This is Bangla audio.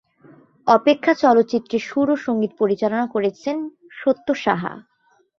অপেক্ষা চলচ্চিত্রের সুর ও সঙ্গীত পরিচালনা করেছেন সত্য সাহা।